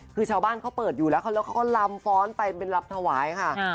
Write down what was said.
คือชาวบ้านเขาเปิดอยู่แล้วแล้วเขาก็ลำฟ้อนไปเป็นลำถวายค่ะ